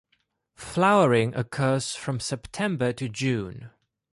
Flowering occurs from September to June.